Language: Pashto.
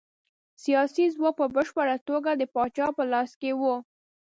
سیاسي ځواک په بشپړه توګه د پاچا په لاس کې و.